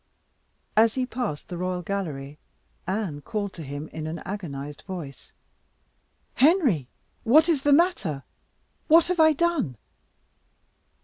As he passed the royal gallery, Anne called to him in an agonised voice "Oh, Henry! what is the matter? what have I done?"